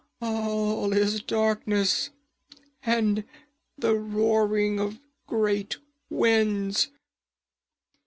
All is darkness, and the roaring of great winds!'